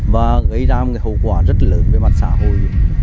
và gây ra một hậu quả rất lớn về mặt xã hội